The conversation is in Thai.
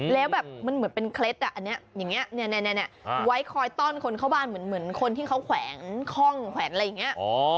แล้วแบบมันเหมือนเป็นเคล็ดอันนี้อย่างนี้ไว้คอยต้อนคนเข้าบ้านเหมือนคนที่เขาแขวนคล่องแขวนอะไรอย่างนี้